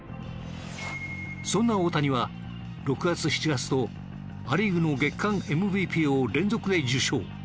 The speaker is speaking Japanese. そんな大谷は６月７月とア・リーグの月間ＭＶＰを連続で受賞。